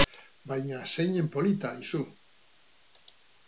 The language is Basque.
Baina zeinen polita aizu!